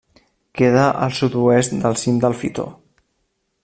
Queda al sud-oest del cim del Fitó.